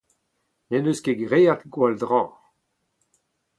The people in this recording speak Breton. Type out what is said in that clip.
N'en deus ket graet gwall dra.